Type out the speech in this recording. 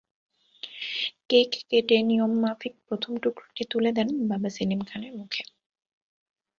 Cake কেটে নিয়মমাফিক প্রথম টুকরোটি তুলে দেন বাবা সেলিম খানের মুখে।